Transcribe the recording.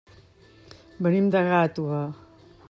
Venim de Gàtova.